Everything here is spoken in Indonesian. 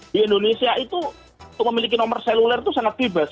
di indonesia itu untuk memiliki nomor seluler itu sangat bebas